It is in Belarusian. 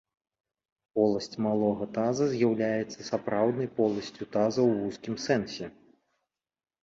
Поласць малога таза з'яўляецца сапраўднай поласцю таза ў вузкім сэнсе.